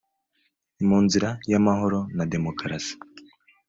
mu nzira y amahoro na demokarasi